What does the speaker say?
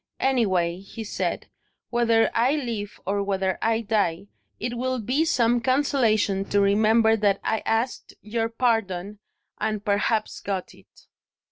"Anyway," he said, "whether I live or whether I die, it will be some consolation to remember that I asked your pardon and perhaps got it."